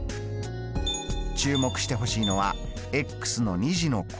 注目してほしいのはの２次の項。